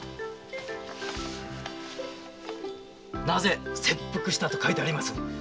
なぜ切腹したのか書いてあります？